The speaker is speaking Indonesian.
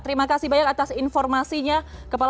terima kasih banyak atas informasinya